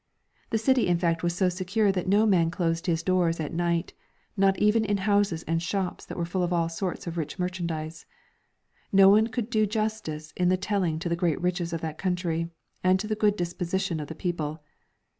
The city in fact was so secure that no man closed his doors at night, not even in houses and shops that were full of all sorts of rich merchandize. No one could do justice in the telling to the great riches of that country, and to the good disposi tion of the people.